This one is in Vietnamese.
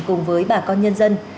cùng với bà con nhân dân